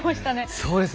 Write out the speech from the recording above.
そうですね。